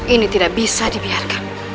ini tidak bisa dibiarkan